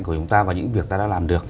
của chúng ta và những việc ta đã làm được